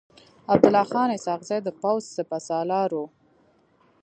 عبدالله خان اسحق زی د پوځ سپه سالار و.